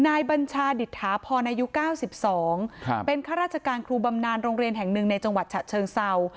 บัญชาดิษฐาพรอายุ๙๒เป็นข้าราชการครูบำนานโรงเรียนแห่งหนึ่งในจังหวัดฉะเชิงเศร้า